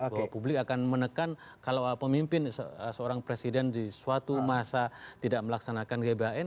bahwa publik akan menekan kalau pemimpin seorang presiden di suatu masa tidak melaksanakan gbhn